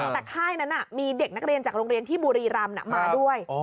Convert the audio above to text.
แต่ค่ายนั้นมีเด็กนักเรียนจากโรงเรียนที่บุรีรำมาด้วย